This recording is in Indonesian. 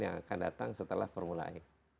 yang akan datang setelah formula e